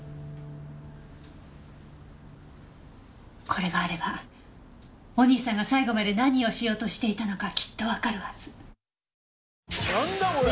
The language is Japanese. これがあればお兄さんが最後まで何をしようとしていたのかきっとわかるはず。